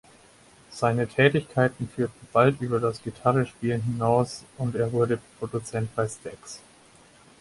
Seine Tätigkeiten führten bald über das Gitarrespielen hinaus, und er wurde Produzent bei Stax.